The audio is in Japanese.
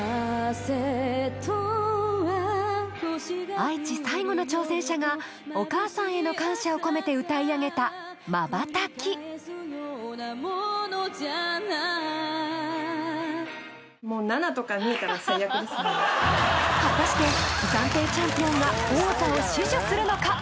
愛知最後の挑戦者がお母さんへの感謝を込めて歌いあげた「瞬き」果たして暫定チャンピオンが王座を死守するのか？